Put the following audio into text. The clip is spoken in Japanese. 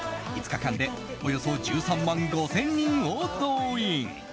５日間でおよそ１３万５０００人を動員。